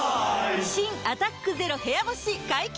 新「アタックＺＥＲＯ部屋干し」解禁‼